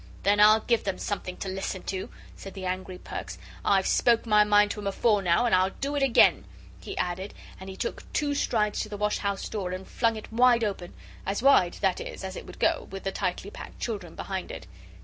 "Then I'll give them something to listen to," said the angry Perks; "I've spoke my mind to them afore now, and I'll do it again," he added, and he took two strides to the wash house door, and flung it wide open as wide, that is, as it would go, with the tightly packed children behind it.